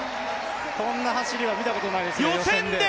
こんな走りはみたことないですね、予選で。